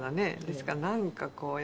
ですからなんかこう。